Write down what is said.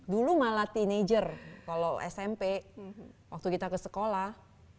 dulu malah teenager kalau smp waktu kita ke sekolah